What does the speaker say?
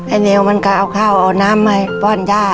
ไอ้นี่มันก็เอาข้าวเอาน้ำไว้ป่อนย่า